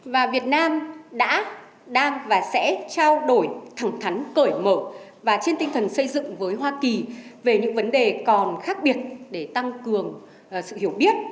và việt nam đã đang và sẽ trao đổi thẳng thắn cởi mở và trên tinh thần xây dựng với hoa kỳ về những vấn đề còn khác biệt để tăng cường sự hiểu biết